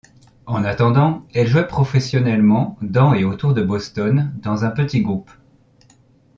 En attendant, elle jouait professionnellement dans et autour de Boston dans un petit groupe.